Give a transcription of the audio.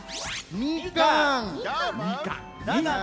みかんね。